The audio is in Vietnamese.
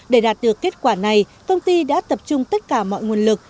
để đạt được kết quả này công ty đã tập trung tất cả mọi nguồn lực